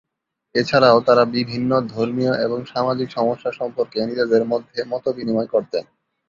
এছাড়াও তারা বিভিন্ন ধর্মীয় এবং সামাজিক সমস্যা সম্পর্কে নিজেদের মধ্যে মতবিনিময় করতেন।